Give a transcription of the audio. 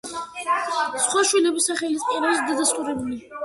სხვა შვილების სახელი კი არ არის დადასტურებული.